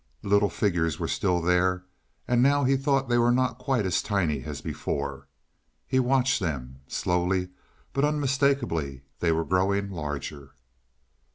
The little figures were still there; and now he thought they were not quite as tiny as before. He watched them; slowly but unmistakably they were growing larger.